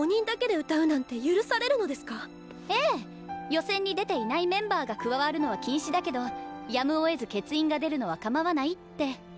予選に出ていないメンバーが加わるのは禁止だけどやむをえず欠員が出るのはかまわないって。